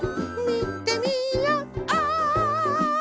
みてみよう！